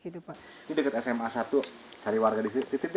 ini dekat sma satu dari warga desa kuta